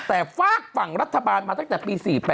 แต่ฝากฝั่งรัฐบาลมาตั้งแต่ปี๔๘